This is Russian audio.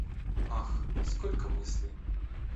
Ах, сколько мыслей!